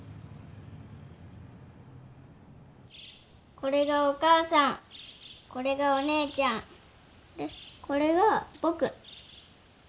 これがお母さんこれがお姉ちゃんでこれが僕。